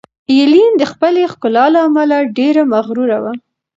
ایلین د خپلې ښکلا له امله ډېره مغروره وه.